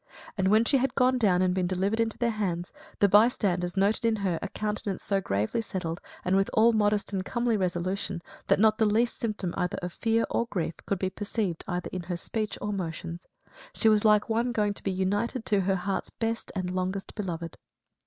And when she had gone down and been delivered into their hands, the bystanders noted in her "a countenance so gravely settled and with all modest and comely resolution, that not the least symptom either of fear or grief could be perceived either in her speech or motions; she was like one going to be united to her heart's best and longest beloved."